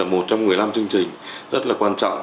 một trong một mươi năm chương trình rất là quan trọng